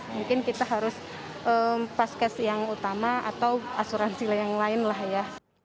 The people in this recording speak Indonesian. mungkin kita harus paskes yang utama atau asuransi yang lain lah ya